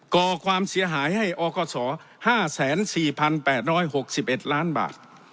ก่อความเสียหายให้อกศ๕๔๘๖๑ล้านบาท